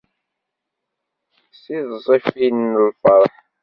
S tiẓẓifin n lferḥ.